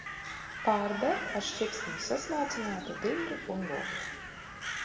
Pārber ar šķipsniņu sasmalcinātu diļļu un loku.